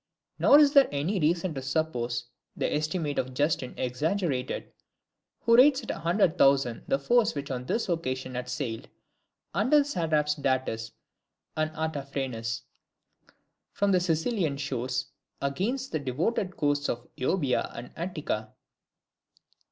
Nor is there any reason to suppose the estimate of Justin exaggerated, who rates at a hundred thousand the force which on this occasion had sailed, under the satraps Datis and Artaphernes, from the Cilician shores, against the devoted coasts of Euboea and Attica.